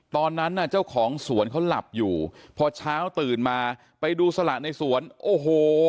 ตอนนั้นน่ะเจ้าของสวนเขาหลับอยู่พอเช้าตื่นมาไปดูสละในสวนโอ้โห